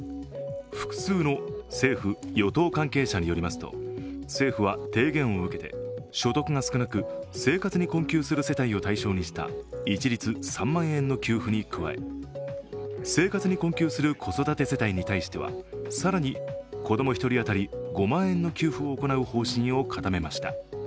複数の政府・与党関係者によりますと政府は提言を受けて所得が少なく生活に困窮する世帯を対象にした一律３万円の給付に加え、生活に困窮する子育て世帯に対しては更に子供１人当たり５万円の給付を行う方針を固めました。